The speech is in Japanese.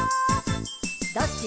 「どっち？」